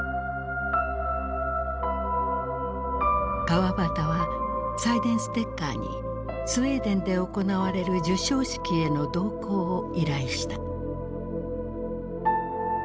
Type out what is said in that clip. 川端はサイデンステッカーにスウェーデンで行われる授賞式への同行を依頼した。